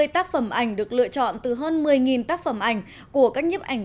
hai mươi tác phẩm ảnh được lựa chọn từ hơn một mươi tác phẩm ảnh của các nhiếp ảnh